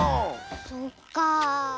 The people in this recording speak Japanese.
そっかあ。